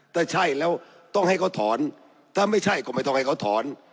ถ้าใช่แล้วต้องให้เขาถอนถ้าไม่ใช่ก็ไม่ต้องให้เขาถอน